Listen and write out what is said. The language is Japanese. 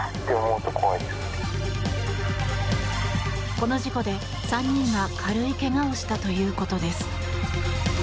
この事故で３人が軽い怪我をしたということです。